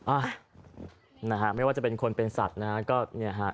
อ๋ออ่านะฮะไม่ว่าจะเป็นคนเป็นสัตว์นะฮะ